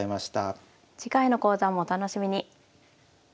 次回の講座もお楽しみに。